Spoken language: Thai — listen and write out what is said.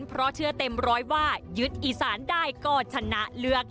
เพราะเชื่อเต็มร้อยว่ายึดอีสานได้ก็ชนะเลือก